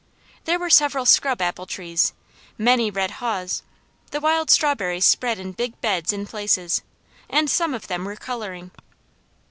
There were several scrub apple trees, many red haws, the wild strawberries spread in big beds in places, and some of them were colouring.